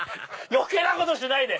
余計なことしないで！